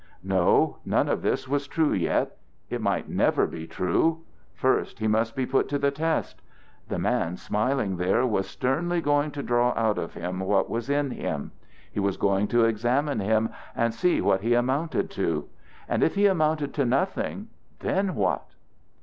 No; none of this was true yet. It might never be true. First, he must be put to the test. The man smiling there was sternly going to draw out of him what was in him. He was going to examine him and see what he amounted to. And if he amounted to nothing, then what?